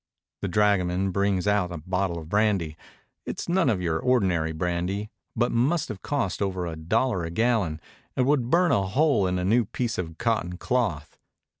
The dragoman brings out a bottle of brandy. It is none of your ordinary brandy, but must have cost over a dollar a gallon, and would burn a hole in a new piece of cotton cloth.